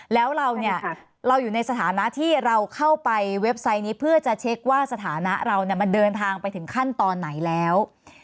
แล้วเราเนี่ยเราอยู่ในสถานะที่เราเข้าไปเว็บไซต์นี้เพื่อจะเช็คว่าสถานะเรามันเดินทางไปถึงขั้นตอนไหนแล้ว